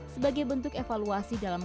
sebagai bentuk evaluasi dalam